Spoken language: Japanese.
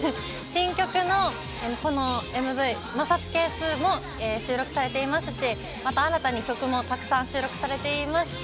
新曲のこのＭＶ、『摩擦係数』も収録されていますし、また新たに曲も収録されています。